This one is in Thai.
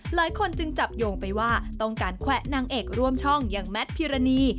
หลายคนจึงจับโยงไปว่าต้องการแวะนางเอกร่วมช่องอย่างแมทพิรณี